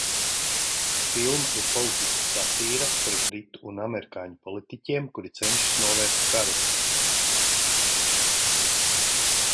Filma ir politiska satīra par britu un amerikāņu politiķiem, kuri cenšas novērst karu.